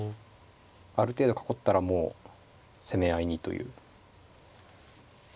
ある程度囲ったらもう攻め合いにという。